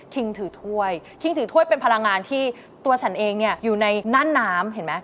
คิงถือถ้วยคิงถือถ้วยเป็นพลังงานที่ตัวฉันเองอยู่ในน้ำ